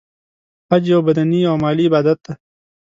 حج یو بدنې او مالی عبادت دی .